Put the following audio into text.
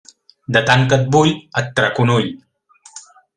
De tant que et vull, et trac un ull.